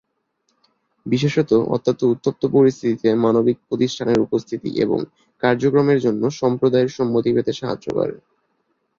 বিশেষত অত্যন্ত উত্তপ্ত পরিস্থিতিতে মানবিক প্রতিষ্ঠানের উপস্থিতি এবং কার্যক্রমের জন্য সম্প্রদায়ের সম্মতি পেতে সাহায্য করে।